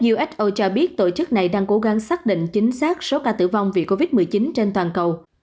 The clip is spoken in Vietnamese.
uso cho biết tổ chức này đang cố gắng xác định chính xác số ca tử vong vì covid một mươi chín trên toàn cầu